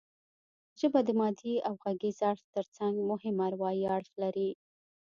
ژبه د مادي او غږیز اړخ ترڅنګ مهم اروايي اړخ لري